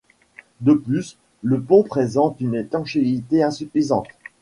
De plus, le pont présente une étanchéité insuffisante.